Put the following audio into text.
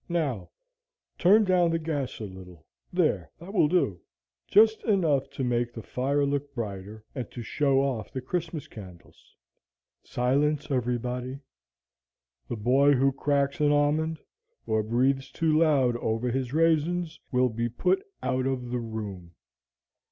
Now, turn down the gas a little; there, that will do, just enough to make the fire look brighter, and to show off the Christmas candles. Silence, everybody! The boy who cracks an almond, or breathes too loud over his raisins, will be put out of the room?"